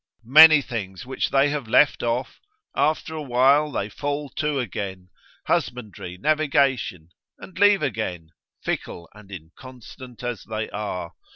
Many things which they have left off, after a while they fall to again, husbandry, navigation; and leave again, fickle and inconstant as they are.